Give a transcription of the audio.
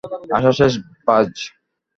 আশা শেষ, বায।